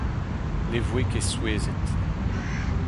Ne voe ket souezhet.